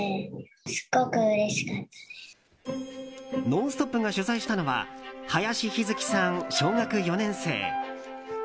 「ノンストップ！」が取材したのは林陽月さん、小学４年生。